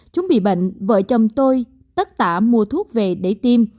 chúng bị bệnh vợ chồng tôi tất tả mua thuốc về để tiêm